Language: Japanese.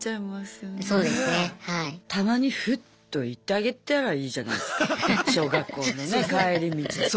たまにフッと行ってあげたらいいじゃないすか小学校のね帰り道。